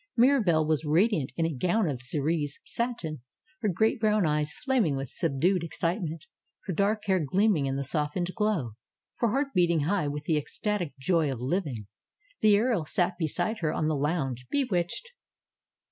Mirahelle was radiant in a gown of cerise satin; her great brown eyes flaming with subdued ex citement ; her dark hair gleaming in the softened glow ; her heart beating high with the ecstatic joy of living. The earl sat beside her on the lounge, bewitched.